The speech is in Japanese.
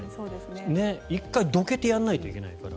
１回どけてやらないといけないから。